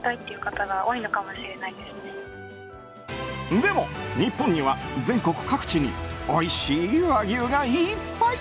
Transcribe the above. でも、日本には全国各地においしい和牛がいっぱい！